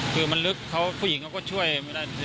คือมันลึกเขาผู้หญิงเขาก็ช่วยไม่ได้